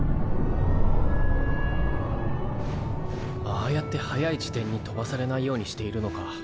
ああやって速い自転に飛ばされないようにしているのか。